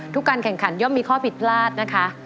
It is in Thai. การแข่งขันย่อมมีข้อผิดพลาดนะคะ